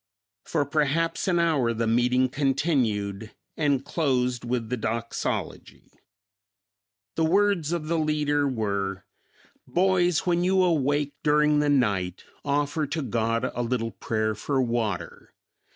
For perhaps an hour the meeting continued and closed with the doxology. The words of the leader were, "Boys, when you awake during the night offer to God a little prayer for water.